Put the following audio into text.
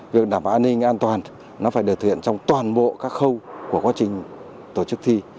việc đảm bảo an ninh an toàn nó phải được thực hiện trong toàn bộ các khâu của quá trình tổ chức thi